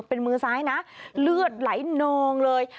เป็นมือซ้ายนะเลือดไหลนองเลย